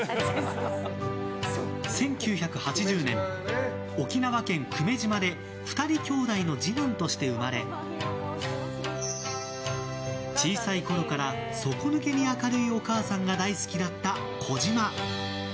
１９８０年、沖縄県久米島で２人兄弟の次男として生まれ小さいころから底抜けに明るいお母さんが大好きだった小島。